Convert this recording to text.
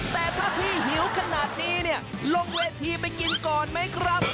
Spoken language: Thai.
แต่ถ้าพี่หิวขนาดนี้เนี่ยลงเวทีไปกินก่อนไหมครับ